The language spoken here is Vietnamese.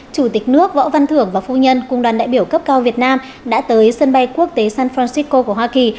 chủ tịch nước võ văn thưởng và phu nhân cùng đoàn đại biểu cấp cao việt nam đã tới sân bay quốc tế san francisco của hoa kỳ